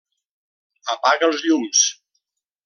Apaga els llums.